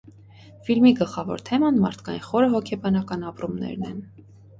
Ֆիլմի գլխավոր թեման մարդկային խորը հոգեբանական ապրումներն են։